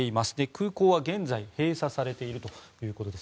空港は現在、閉鎖されているということです。